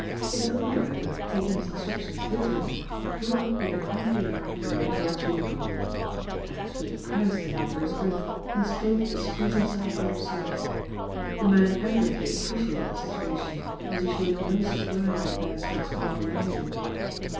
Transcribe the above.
His own driver, taking his instructions literally, drew up within half a yard of the Rain Giri's vehicle. Beresford cursed him under his breath, and strove to squeeze himself out of sight. The man evidently appreciated the situation, as he showed no surprise at Beresford's not alighting.